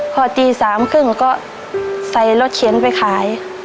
พอตี๓๓๐ก็ใส่รถเข็นไปขาย